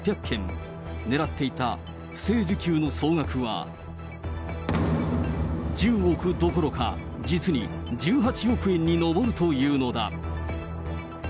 ねらっていた不正受給の総額は１０億どころか、実に１８億円に上るというのだ。